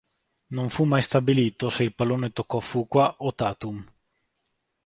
Non fu mai stabilito se il pallone toccò Fuqua o Tatum.